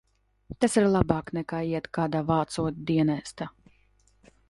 Tas ir labāk, nekā iet kādā vācu dienestā.